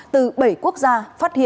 từ bảy quốc gia